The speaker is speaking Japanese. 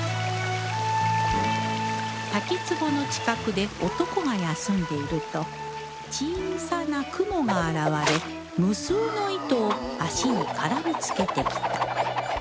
滝つぼの近くで男が休んでいると小さな蜘蛛が現れ無数の糸を足に絡みつけてきた